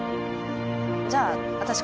じゃあ私